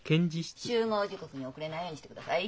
集合時刻に遅れないようにしてください。